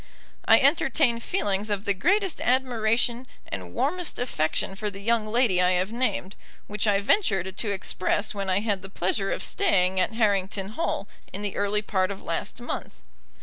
I entertain feelings of the greatest admiration and warmest affection for the young lady I have named, which I ventured to express when I had the pleasure of staying at Harrington Hall in the early part of last month.